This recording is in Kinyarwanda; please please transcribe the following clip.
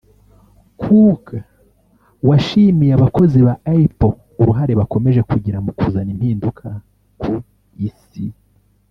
Cook washimiye abakozi ba Apple uruhare bakomeje kugira mu kuzana impinduka ku isi